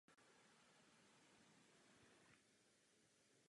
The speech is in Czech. Subjektem studia geografie je krajinná sféra.